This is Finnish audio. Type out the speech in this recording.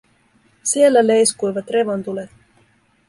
Siellä leiskuivat revontulet.